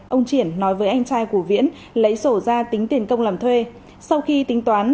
ông triển nói với anh trai của viễn lấy sổ ra tính tiền công làm thuê sau khi tính toán